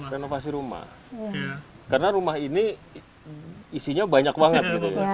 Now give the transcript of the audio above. renovasi rumah karena rumah ini isinya banyak banget